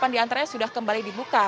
delapan diantaranya sudah kembali dibuka